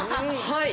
はい。